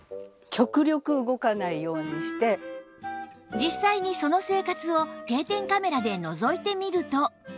実際にその生活を定点カメラでのぞいてみると